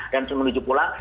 dan menuju pulang